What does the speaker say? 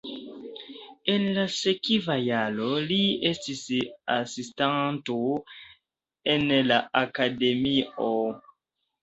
En la sekva jaro li estis asistanto en la akademio.